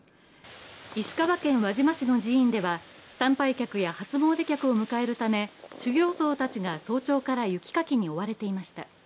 石川県輪島市の寺院では、参拝客や初詣客を迎えるため修行僧たちが早朝から雪かきに追われていました。